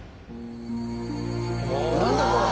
何だ⁉これ！